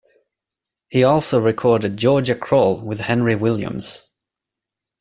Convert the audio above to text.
He also recorded "Georgia Crawl" with Henry Williams.